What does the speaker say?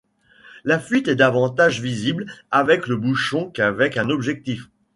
La fuite est davantage visible avec le bouchon qu'avec un objectif.